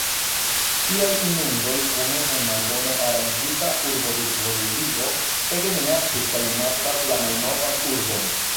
Tiaj inundoj kune kun malbone aranĝita urbodisvolvigo ege minacis kaj minacas la malnovan urbon.